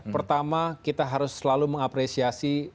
pertama kita harus selalu mengapresiasi